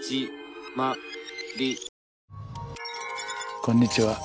こんにちは。